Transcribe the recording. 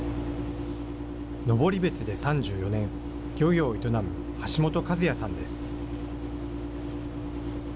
登別で３４年、漁業を営む橋本和也さんです。